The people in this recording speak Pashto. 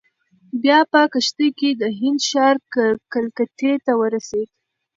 بیا په کښتۍ کې د هند ښار کلکتې ته ورسېد.